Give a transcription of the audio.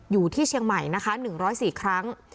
อยู่ที่เชียงใหม่นะคะ๑๐๔ครั้ง